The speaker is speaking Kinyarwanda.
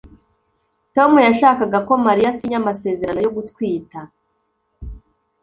Tom yashakaga ko Mariya asinya amasezerano yo gutwita.